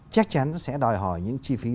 chắc chắn sẽ đòi hỏi những chi phí